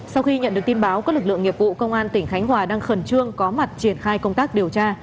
sau khi nhận được tin báo các lực lượng nghiệp vụ công an tỉnh khánh hòa đang khẩn trương có mặt triển khai công tác điều tra